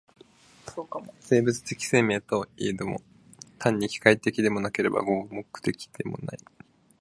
生物的生命といえども、単に機械的でもなければ合目的的でもない。